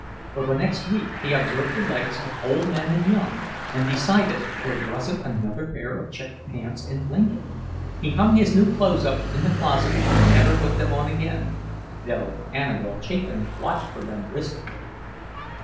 For the next week he observed the legs of old men and young, and decided there wasn't another pair of checked pants in Lincoln. He hung his new clothes up in his closet and never put them on again, though Annabelle Chapin watched for them wistfully.